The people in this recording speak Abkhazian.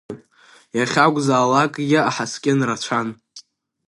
Иахьакәзаалакгьы аҳаскьын рацәан.